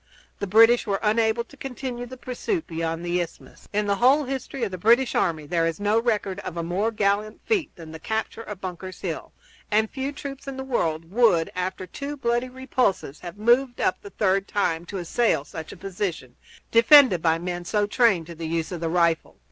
The British were unable to continue the pursuit beyond the isthmus. In the whole history of the British army there is no record of a more gallant feat than the capture of Bunker's Hill, and few troops in the world would, after two bloody repulses, have moved up the third time to assail such a position, defended by men so trained to the use of the rifle.